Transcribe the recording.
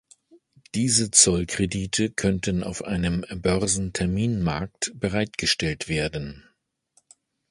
Diese Zollkredite könnten auf einem Börsenterminmarkt bereitgestellt werden.